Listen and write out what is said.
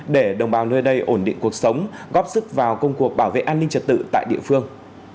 để đồng bào nơi đây ổn định cuộc sống góp sức vào công cuộc bảo vệ an ninh trật tự tại địa phương